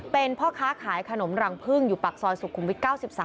เป็นพ่อค้าขายขนมรังพึ่งอยู่ปากซอยสุขุมวิท๙๓